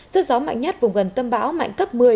sức gió mạnh nhất vùng gần tâm bão mạnh cấp một mươi